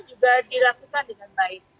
juga dilakukan dengan baik